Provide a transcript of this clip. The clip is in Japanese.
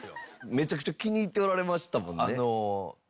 めちゃくちゃ気に入っておられましたもんね。